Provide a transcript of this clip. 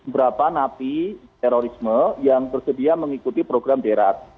berapa narapidana terorisme yang bersedia mengikuti program derat